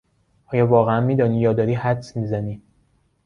آیا واقعا میدانی یا داری حدس میزنی؟